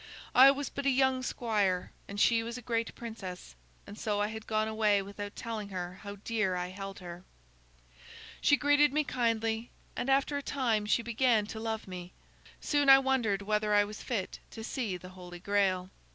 I was but a young squire and she was a great princess, and so I had gone away without telling her how dear I held her. "She greeted me kindly, and after a time she began to love me. Soon I wondered whether I was fit to see the Holy Grail.